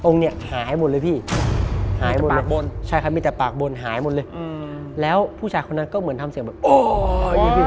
มีจากปากบนใช่มีจากปากบนหายหมดเลยแล้วผู้ชายคนนั้นก็เหมือนทำเสียงแบบโอ้ย